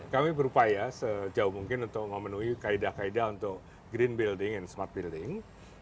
kami berupaya sejauh mungkin untuk memenuhi kaedah kaedah untuk green building and smart building